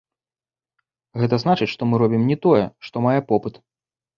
Гэта значыць, што мы робім не тое, што мае попыт.